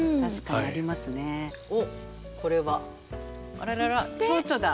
あらららチョウチョだ。